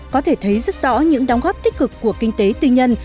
có thể thấy rất rõ những đóng góp tích cực của kinh tế tư nhân